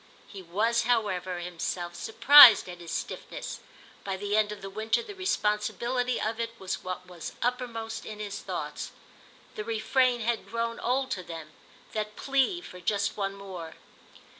He was, however, himself surprised at his stiffness; by the end of the winter the responsibility of it was what was uppermost in his thoughts. The refrain had grown old to them, that plea for just one more.